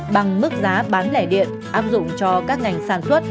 bằng mức giá bán lẻ điện áp dụng cho các ngành sản xuất